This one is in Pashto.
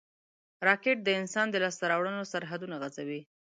راکټ د انسان د لاسته راوړنو سرحدونه غځوي